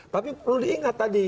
tapi perlu diingat tadi